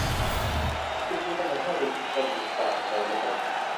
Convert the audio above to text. ทริปนี้มีประมาณ ห้าสิบ คน ต่างวัยกันไป